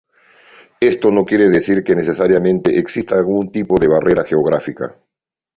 Esto no quiere decir que necesariamente exista algún tipo de barrera geográfica.